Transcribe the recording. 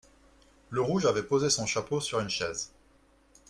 Lerouge avait posé son chapeau sur une chaise.